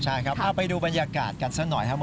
ใช่ครับจะไปดูบรรยากาศสักหน่อย